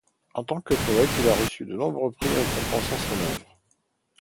En tant que poète, il a reçu de nombreux prix récompensant son œuvre.